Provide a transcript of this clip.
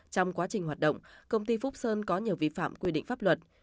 trong quá trình hoạt động công ty phúc sơn có nhiều vi phạm quy định pháp luật